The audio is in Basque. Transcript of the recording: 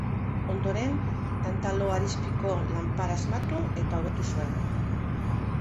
Ondoren, tantalo-harizpiko lanpara asmatu eta hobetu zuen.